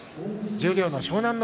十両の湘南乃